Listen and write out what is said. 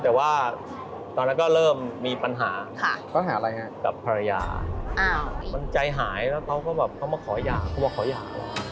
แต่ว่าตอนนั้นก็เริ่มมีปัญหากับภรรยามันใจหายแล้วเขาก็มาขอหย่า